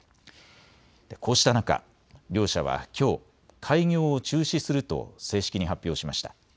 こうした中、両社はきょう開業を中止すると正式に発表しました。